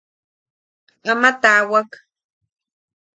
Ama taawak.